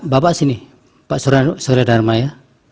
bapak sini pak sura dharma ya